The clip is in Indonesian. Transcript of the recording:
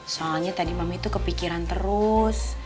soalnya tadi mami tuh kepikiran terus